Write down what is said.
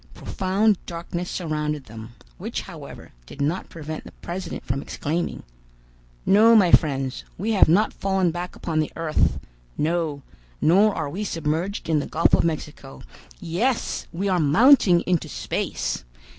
Profound darkness surrounded them, which, however, did not prevent the president from exclaiming: "No, my friends, we have not fallen back upon the earth; no, nor are we submerged in the Gulf of Mexico. Yes! we are mounting into space.